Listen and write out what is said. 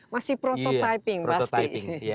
masih prototyping pasti